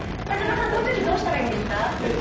高田さん、こういうときどうしたらいいんですか？